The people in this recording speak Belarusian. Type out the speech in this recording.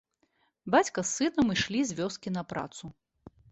Бацька з сынам ішлі з вёскі на працу.